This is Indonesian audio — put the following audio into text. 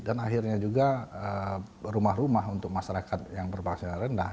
dan akhirnya juga rumah rumah untuk masyarakat yang berpaksa rendah